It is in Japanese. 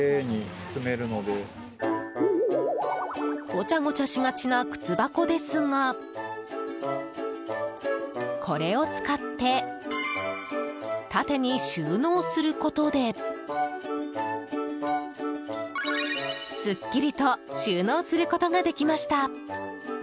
ごちゃごちゃしがちな靴箱ですがこれを使って縦に収納することですっきりと収納することができました。